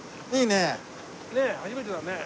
ねえ初めてだね。